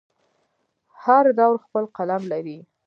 هر دور خپل قلم لري.